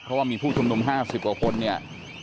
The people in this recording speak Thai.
เพราะว่ามีผู้ชุมนุม๕๐กว่าคนเนี่ย